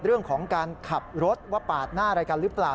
เรื่องของการขับรถว่าปาดหน้าอะไรกันหรือเปล่า